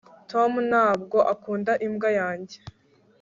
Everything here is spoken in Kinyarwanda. tom ntabwo akunda imbwa yanjye